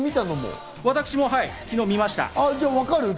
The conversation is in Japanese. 私、もう昨日、見ました。